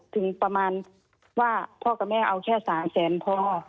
ถึงประมาณว่าพ่อกับแม่เอาแค่๓แสนพ่อ